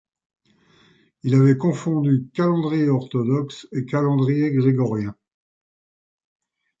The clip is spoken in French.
Il avait confondu calendrier orthodoxe et calendrier grégorien...